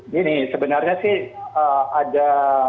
jadi sebenarnya sih ada